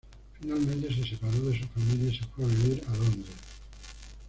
Finalmente se separó de su familia y se fue a vivir a Londres.